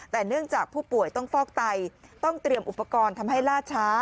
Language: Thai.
แต่เนื่องจากผู้ป่วยต้องฟอกไตต้องเตรียมอุปกรณ์ทำให้ล่าช้า